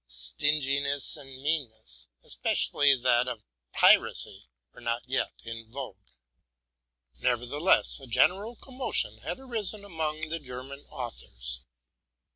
Stinginess and meanness, especially that of piracy, were not yet in vogue. Nevertheless, a general commotion had arisen among the German authors.